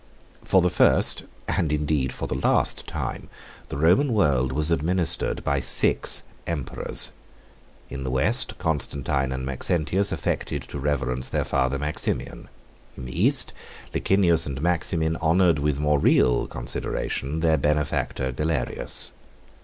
30 For the first, and indeed for the last time, the Roman world was administered by six emperors. In the West, Constantine and Maxentius affected to reverence their father Maximian. In the East, Licinius and Maximin honored with more real consideration their benefactor Galerius.